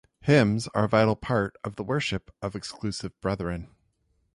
Hymns are a vital part of the worship of Exclusive Brethren.